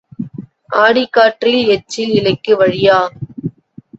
ஆடிக் காற்றில் எச்சில் இலைக்கு வழியா?